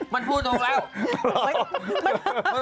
มันพูดถูกแล้ว